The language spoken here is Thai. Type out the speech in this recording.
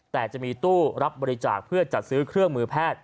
แต่จะมีตู้รับบริจาคเพื่อจัดซื้อเครื่องมือแพทย์